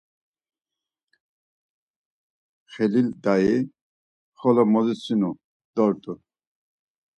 Xelil Dai xolo mozitsinu dort̆u.